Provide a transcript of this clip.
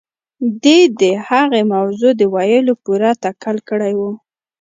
دې د هغې موضوع د ويلو پوره تکل کړی و.